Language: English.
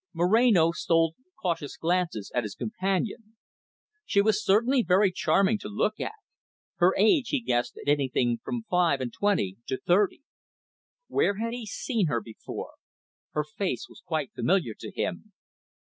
Moreno stole cautious glances at his companion. She was certainly very charming to look at; her age he guessed at anything from five and twenty to thirty. Where had he seen her before? Her face was quite familiar to him.